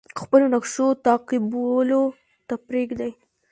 خپلو نقشو تعقیبولو ته پریږدي.